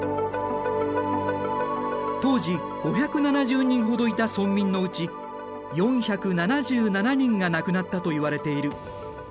当時５７０人ほどいた村民のうち４７７人が亡くなったといわれている。